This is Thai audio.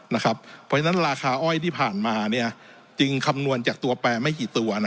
เพราะฉะนั้นราคาอ้อยที่ผ่านมาจึงคำนวณจากตัวแปรไม่กี่ตัว